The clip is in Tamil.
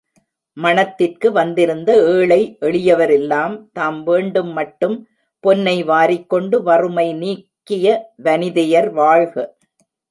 மணத் திற்கு வந்திருந்த ஏழை எளியவரெல்லாம் தாம் வேண்டு மட்டும் பொன்னை வாரிக்கொண்டு, வறுமை நீக்கிய வனிதையர் வாழ்க!